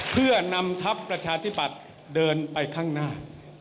เพื่อนำทัพประชาธิปัตย์เดินไปข้างหน้า